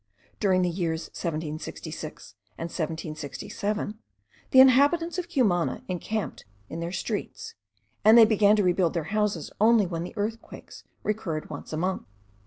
During the years 1766 and 1767, the inhabitants of Cumana encamped in their streets; and they began to rebuild their houses only when the earthquakes recurred once a month.